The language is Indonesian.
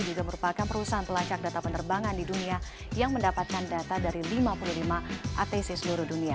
juga merupakan perusahaan pelacak data penerbangan di dunia yang mendapatkan data dari lima puluh lima atc seluruh dunia